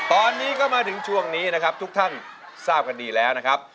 ตอนนี้ก็มาถึงช่วงนี้นะครับทุกท่านทราบกันดีแล้วนะครับ